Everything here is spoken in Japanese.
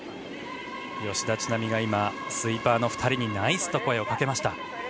吉田知那美がスイーパーの２人にナイス！と声をかけました。